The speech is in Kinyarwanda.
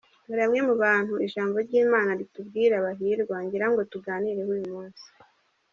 Hari bamwe mu bantu ijambo ry'Imana ritubwira bahirwa ngira ngo tuganireho uyu munsi.